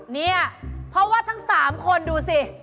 นี่เพราะว่าทั้งสามคนดูสิ